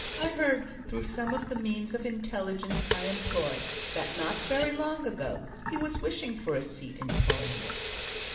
I heard, through some of the means of intelligence I employ, that not very long ago he was wishing for a seat in Parliament."